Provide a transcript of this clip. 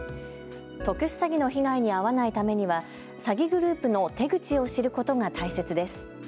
特殊詐欺の被害に遭わないためには詐欺グループの手口を知ることが大切です。